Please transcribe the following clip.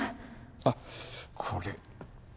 あっこれ。